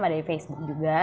ada di facebook juga